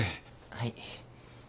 はい。